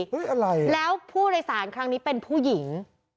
อะไรแล้วผู้โดยสารครั้งนี้เป็นผู้หญิง